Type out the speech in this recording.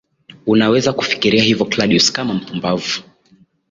unaweza kufikiria hivyo Claudius kama mpumbavu